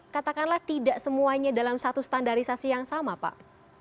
katakanlah tidak semuanya dalam satu standarisasi yang sama pak